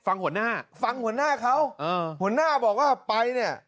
หัวหน้าฟังหัวหน้าเขาหัวหน้าบอกว่าไปเนี่ย